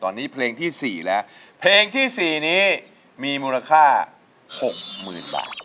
ตอนนี้เพลงที่๔แล้วเพลงที่๔นี้มีมูลค่า๖๐๐๐บาท